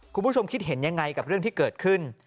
คุณผู้ชมคิดเห็นยังไงกับเรื่องที่เกิดขึ้น